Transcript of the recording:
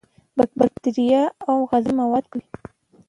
بکتریا او غذایي مواد پاکوي.